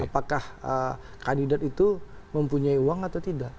apakah kandidat itu mempunyai uang atau tidak